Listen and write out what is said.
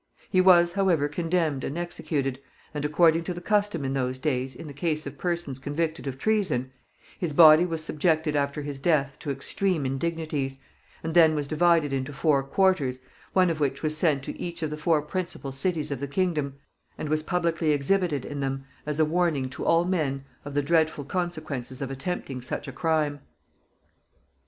He was, however, condemned and executed, and, according to the custom in those days in the case of persons convicted of treason, his body was subjected after his death to extreme indignities, and then was divided into four quarters, one of which was sent to each of the four principal cities of the kingdom, and publicly exhibited in them as a warning to all men of the dreadful consequences of attempting such a crime.